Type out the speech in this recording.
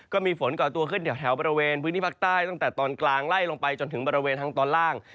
ก็มีฝนก่อตัวขึ้นแถวบริเวณพื้นที่ภาคใต้ตั้งแต่ตอนกลางไล่ลงไปจนถึงบริเวณทางตอนล่าง